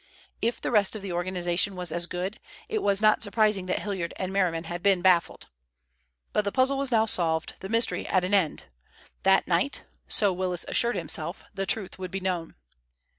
If the rest of the organization was as good, it was not surprising that Hilliard and Merriman had been baffled. But the puzzle was now solved, the mystery at an end. That night, so Willis assured himself, the truth would be known.